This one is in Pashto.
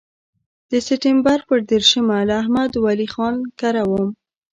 د سپټمبر پر دېرشمه له احمد ولي خان کره وم.